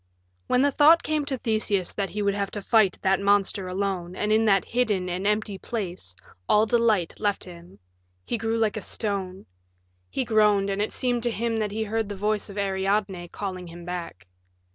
When the thought came to Theseus that he would have to fight that monster alone and in that hidden and empty place all delight left him; he grew like a stone; he groaned, and it seemed to him that he heard the voice of Ariadne calling him back.